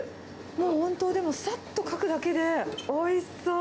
もう本当、でも、さっとかくだけで、おいしそう。